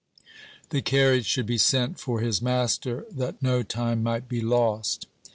The carriage should be sent for his master, that no time might be lost.